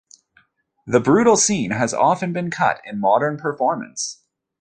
The brutal scene has often been cut in modern performance.